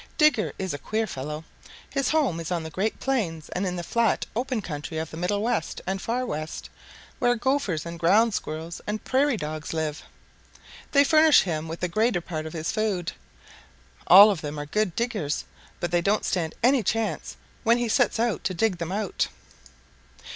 Digger is a queer fellow. His home is on the great plains and in the flat, open country of the Middle West and Far West, where Gophers and Ground Squirrels and Prairie Dogs live. They furnish him with the greater part of his food. All of them are good diggers, but they don't stand any chance when he sets out to dig them out.